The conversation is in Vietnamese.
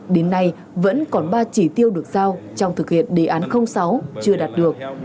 đến nay vẫn còn ba chỉ tiêu được giao trong thực hiện đề án sáu chưa đạt được